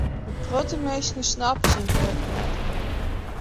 In protte minsken snappe syn wurk net.